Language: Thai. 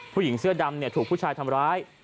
ผู้หญิงเสื้อดำถูกผู้ชายทำร้าย